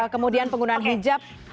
kemudian penggunaan hijab